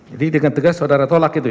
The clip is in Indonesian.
jadi dengan tegas saudara tolak itu ya